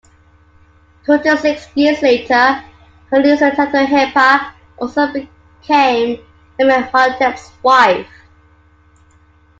Twenty-six years later, her niece Tadukhepa also became Amenhotep's wife.